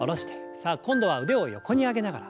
さあ今度は腕を横に上げながら。